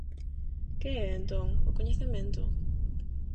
Que é, entón, o coñecemento?